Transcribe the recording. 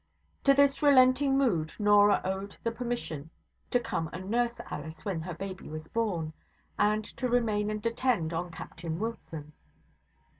To this relenting mood Norah owed the permission to come and nurse Alice when her baby was born, and to remain and attend on Captain Wilson.